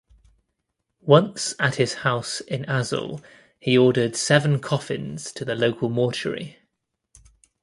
Once at his house in Azul he ordered seven coffins to the local mortuary.